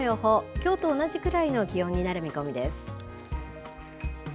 きょうと同じくらいの気温になる見込みです。